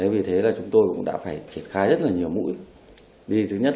vì thế thì chúng tôi đã tìm ra một số điều tra viên lúc này là làm thế nào để xác định được danh tính nạn nhân